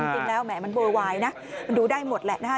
จริงแล้วแหมมันโบวายนะมันดูได้หมดแหละนะฮะ